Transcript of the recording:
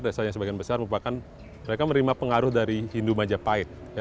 desa yang sebagian besar merupakan mereka menerima pengaruh dari hindu majapahit